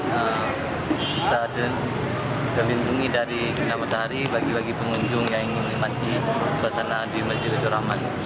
kita ada kelindungi dari sinar matahari bagi bagi pengunjung yang ingin menikmati suasana di masjid agung baitur rahman